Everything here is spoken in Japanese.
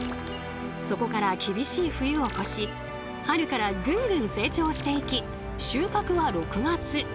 そこから厳しい冬を越し春からぐんぐん成長していき収穫は６月。